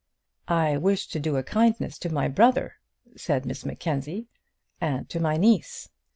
"I wish to do a kindness to my brother," said Miss Mackenzie "and to my niece."